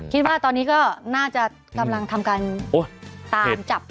คิดว่าตอนนี้ก็น่าจะกำลังทำอย่างตามจับหุบหยุด